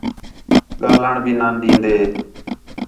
ڳاہلݨ بھی نان ݙین٘دے